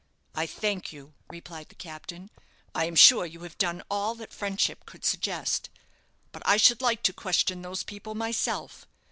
"I thank you," replied the captain; "I am sure you have done all that friendship could suggest; but I should like to question those people myself.